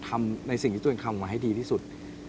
ทำในสิ่งที่ตัวเองทำไว้ให้ดีที่สุด